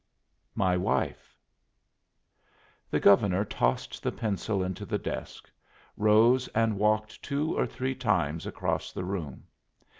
"My wife." The Governor tossed the pencil into the desk, rose and walked two or three times across the room.